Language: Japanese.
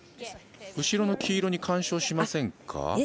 後ろの黄色に干渉しませんか？